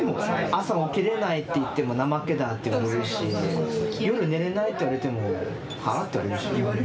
朝起きれないって言っても怠けだって言われるし夜寝れないって言われても「は？」って言われるし。